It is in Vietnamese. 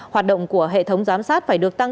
hoạt động của hệ thống giám sát phải được tăng